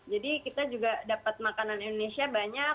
jadi kita juga dapat makanan indonesia banyak